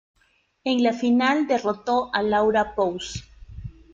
En la final derrotó a Laura Pous.